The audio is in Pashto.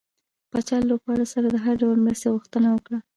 پاچا له لوبغاړو سره د هر ډول مرستې غوښتنه وکړه .